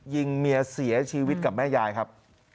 ยิงเมียเสียชีวิตกับแม่ยายครับ